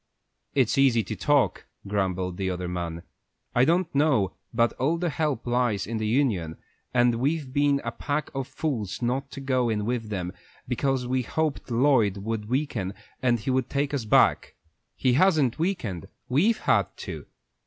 "It's easy to talk," grumbled the other man. "I don't know but all our help lies in the union, and we've been a pack of fools not to go in with them, because we hoped Lloyd would weaken and take us back. He hasn't weakened; we've had to.